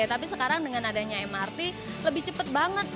tapi sekarang dengan adanya mrt lebih cepat banget